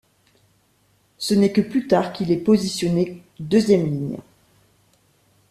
Ce n'est que plus tard qu'il est positionné deuxième ligne.